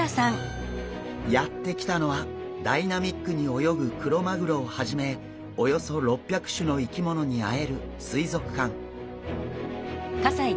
やって来たのはダイナミックに泳ぐクロマグロをはじめおよそ６００種の生き物に会える水族館。